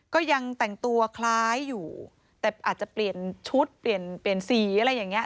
ก็ยังแต่งตัวคล้ายอยู่แต่อาจจะเปลี่ยนชุดเปลี่ยนเปลี่ยนเปลี่ยนสีอะไรอย่างเงี้